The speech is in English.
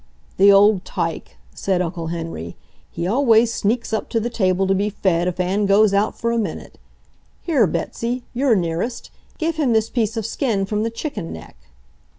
"The old tyke!" said Uncle Henry. "He always sneaks up to the table to be fed if Ann goes out for a minute. Here, Betsy, you're nearest, give him this piece of skin from the chicken neck."